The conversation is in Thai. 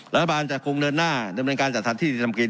รัฐบาลจะคงเนินหน้าในบริการจัดสรรค์ที่ดินทำกิน